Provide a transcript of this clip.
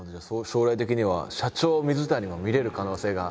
将来的には社長・水谷も見れる可能性が。